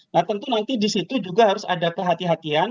nah tentu nanti disitu juga harus ada perhatian hatian